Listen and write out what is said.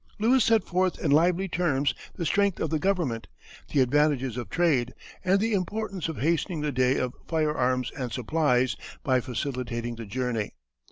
Lewis set forth in lively terms the strength of the government, the advantages of trade, and the importance of hastening the day of fire arms and supplies by facilitating the journey.